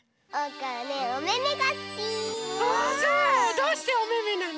どうしておめめなの？